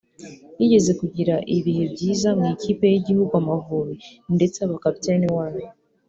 yigeze kugira ibihe byiza mu ikipe y’igihugu Amavubi ndetse aba kapiteni wayo